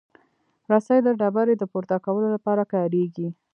رسۍ د ډبرې د پورته کولو لپاره کارېږي.